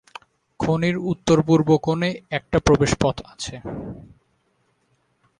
খনির উত্তর-পূর্ব কোণে একটা প্রবেশপথ আছে।